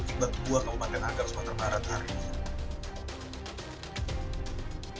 tiba tiba ke bupaten agam sumatera barat hari ini